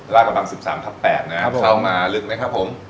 รากบัง๑๓๘นะครับเข้ามาลึกมั้ยครับผม